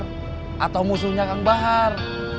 sebuahnya kang bahar atau musuhnya kang bahar